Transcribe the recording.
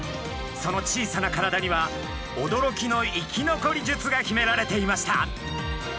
その小さな体にはおどろきの生き残り術が秘められていました。